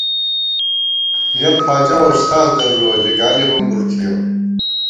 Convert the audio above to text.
یَک خواجہ اُستاذ دَرُوَہ ، لِگالی ہُمبُر تھِیَؤ